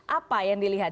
apa yang dilihat